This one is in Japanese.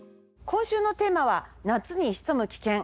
今週のテーマは「夏に潜む危険」。